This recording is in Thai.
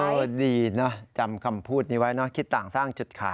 ดีนะจำคำพูดนี้ไว้เนอะคิดต่างสร้างจุดขาย